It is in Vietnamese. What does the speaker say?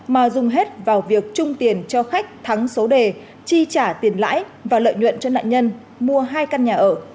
mà dùng hết vào việc trung tiền cho khách thắng số đề chi trả tiền lãi và lợi nhuận cho nạn nhân mua hai căn nhà ở